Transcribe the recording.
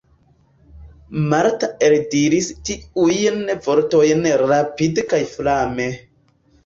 Marta eldiris tiujn vortojn rapide kaj flame.